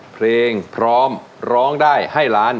เพลงพร้อมร้องได้ให้ล้าน